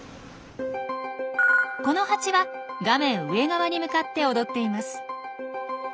このハチは画面上側に向かって踊っています。